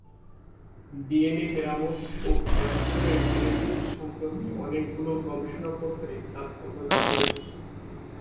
DNA মেরামত ও ক্যান্সারের জেনেটিক্স সম্পর্কে অনেকগুলি গবেষণাপত্রে তাঁর অবদান রয়েছে।